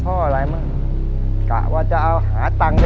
พ่ออะไรมันกะว่าจะเอาหาตังค์